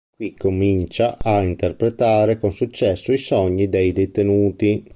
Qui comincia a interpretare con successo i sogni dei detenuti.